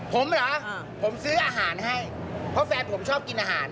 ผมเหรอผมซื้ออาหารให้เพราะแฟนผมชอบกินอาหาร